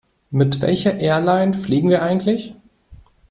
Mit welcher Airline fliegen wir eigentlich?